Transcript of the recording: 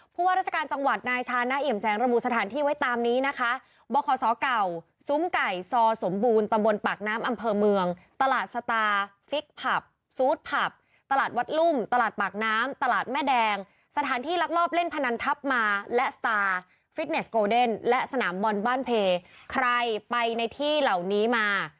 ว่าราชการจังหวัดนายชานะเอี่ยมแสงระบุสถานที่ไว้ตามนี้นะคะบขเก่าซุ้มไก่ซอสมบูรณ์ตำบลปากน้ำอำเภอเมืองตลาดสตาฟิกผับซูดผับตลาดวัดลุ่มตลาดปากน้ำตลาดแม่แดงสถานที่ลักลอบเล่นพนันทัพมาและสตาร์ฟิตเนสโกเดนและสนามบอลบ้านเพใครไปในที่เหล่านี้มา